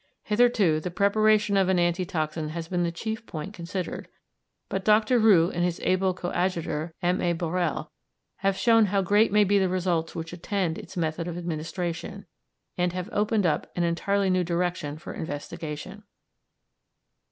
Hitherto the preparation of an anti toxin has been the chief point considered, but Dr. Roux and his able coadjutor, M. A. Borrel, have shown how great may be the results which attend its method of administration, and have opened up an entirely new direction for investigation.